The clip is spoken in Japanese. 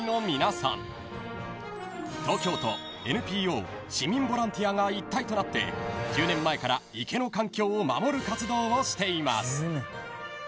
［東京都ＮＰＯ市民ボランティアが一体となって１０年前から池の環境を守る活動をしています］